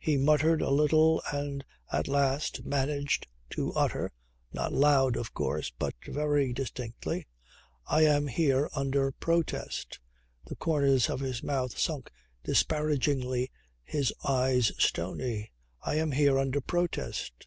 He muttered a little and at last managed to utter, not loud of course but very distinctly: "I am here under protest," the corners of his mouth sunk disparagingly, his eyes stony. "I am here under protest.